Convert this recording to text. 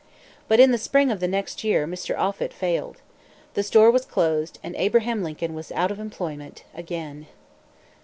But in the spring of the next year Mr. Offut failed. The store was closed, and Abraham Lincoln was out of employment again.